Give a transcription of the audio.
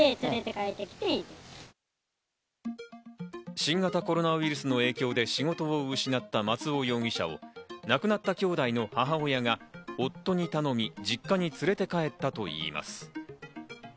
新型コロナウイルスの影響で仕事を失った松尾容疑者を亡くなった兄弟の母親が夫に頼み、実家に連れて帰ったといいます。